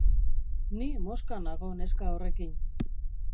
Ni mosca nago neska horrekin.